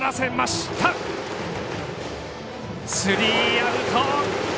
スリーアウト。